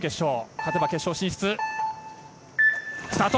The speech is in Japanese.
勝てば決勝進出。